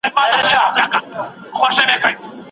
چنداني چا سیالي نه ده کړې.